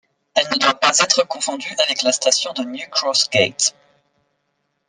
Elle ne doit pas être confondu avec la station de New Cross Gate.